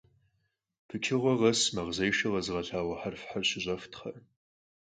Pıçığue khes makhzêşşe khezığelhağue herfxer şış'eftxhe!